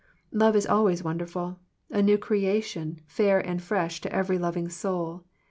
Love is always wonderful, a new creation, fair and fresh to every loving soul.